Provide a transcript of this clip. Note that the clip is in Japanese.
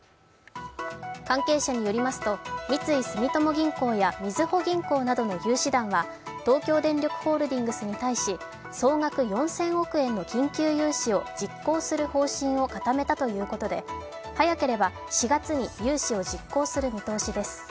関係者によりますと三井住友銀行やみずほ銀行などの融資団は東京電力ホールディングスに対し総額４０００億円の緊急融資を実行する方針を固めたということで早ければ４月に融資を実行する見通しです。